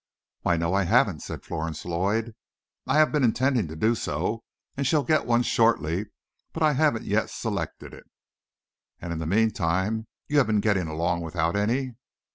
"Why, no, I haven't," said Florence Lloyd. "I have been intending to do so, and shall get one shortly, but I haven't yet selected it." "And in the meantime you have been getting along without any?"